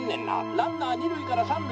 ランナー二塁から三塁」。